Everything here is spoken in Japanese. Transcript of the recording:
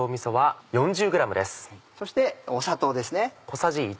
そして砂糖ですね。